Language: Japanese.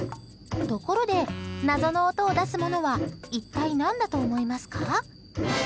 ところで、謎の音を出すものは一体、何だと思いますか？